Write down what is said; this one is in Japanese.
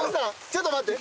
ちょっと待って。